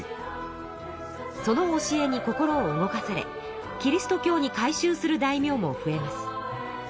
その教えに心を動かされキリスト教に改宗する大名も増えます。